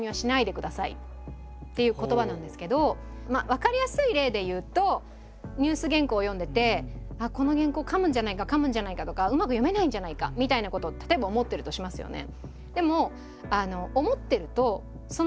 分かりやすい例で言うとニュース原稿を読んでてああこの原稿かむんじゃないかかむんじゃないかとかうまく読めないんじゃないかみたいなことを例えば思ってるとしますよね。